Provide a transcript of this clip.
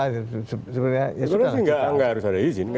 tapi itu sih tidak harus ada izin